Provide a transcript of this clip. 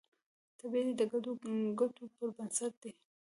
طبیعت یې د ګډو ګټو پر بنسټ دی